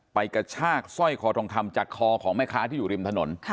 กระชากสร้อยคอทองคำจากคอของแม่ค้าที่อยู่ริมถนน